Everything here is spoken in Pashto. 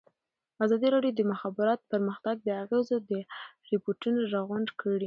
ازادي راډیو د د مخابراتو پرمختګ د اغېزو په اړه ریپوټونه راغونډ کړي.